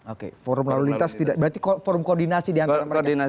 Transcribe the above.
oke forum lalu lintas tidak jalan berarti forum koordinasi di antara mereka